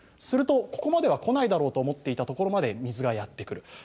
するとここまでは来ないだろうと思っていたところまで水がやって来る。